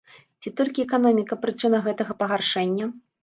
Ці толькі эканоміка прычына гэтага пагаршэння?